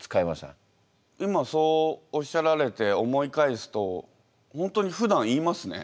今そうおっしゃられて思い返すと本当にふだん言いますね。